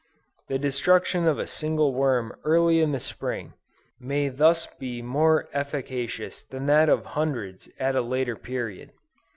The destruction of a single worm early in the Spring, may thus be more efficacious than that of hundreds, at a later period.